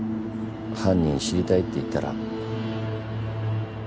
犯人知りたいって言ったら。